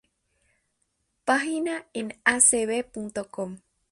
Página en acb.com